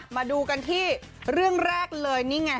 มาดูกันที่เรื่องแรกเลยนี่ไง